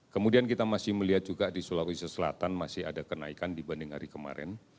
kemudian kita masih melihat juga di sulawesi selatan masih ada kenaikan dibanding hari kemarin